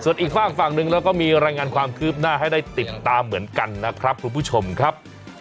ส่วนอีกฝากฝั่งหนึ่งเราก็มีรายงานความคืบหน้าให้ได้ติดตามเหมือนกันนะครับคุณผู้ชมครับ